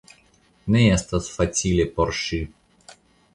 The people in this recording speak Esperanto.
Ne estas facile por ŝi.